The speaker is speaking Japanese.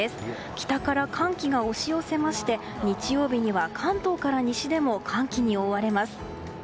北から寒気が押し寄せまして日曜日には関東から西でも寒気に覆われます。